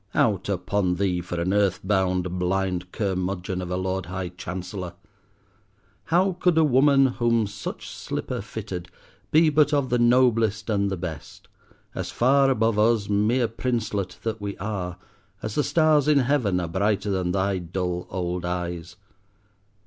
Out upon thee, for an earth bound, blind curmudgeon of a Lord High Chancellor. How could a woman, whom such slipper fitted, be but of the noblest and the best, as far above us, mere Princelet that we are, as the stars in heaven are brighter than thy dull old eyes!